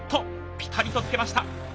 ピタリとつけました。